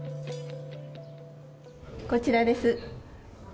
こちらです。